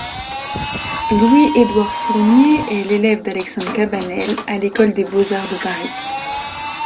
Louis-Édouard Fournier est l'élève d'Alexandre Cabanel à l'École des beaux-arts de Paris.